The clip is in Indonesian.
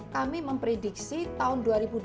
kami memprediksi tahun dua ribu dua puluh